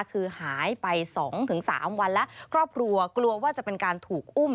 คือหายไปสองถึงสามวันแล้วครอบครัวกลัวว่าจะเป็นการถูกอุ้ม